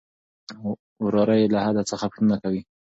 وراره يې له ده څخه پوښتنه کوي.